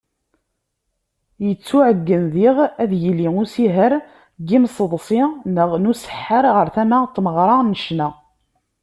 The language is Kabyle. Yettuɛeggen diɣ ad yili usiher n yimseḍsi neɣ n useḥḥar ɣer tama n tmeɣra n ccna.